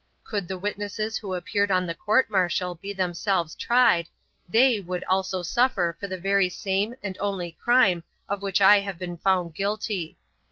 Could the witnesses who appeared on the Court martial be themselves tried, they would also suffer for the very same and only crime of which I have been found guilty.